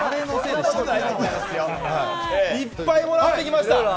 いっぱいもらってきました。